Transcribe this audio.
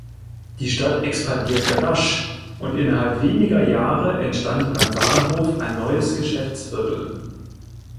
Die Stadt expandierte rasch und innerhalb weniger Jahre entstand beim Bahnhof ein neues Geschäftsviertel.